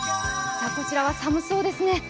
こちらは寒そうですね。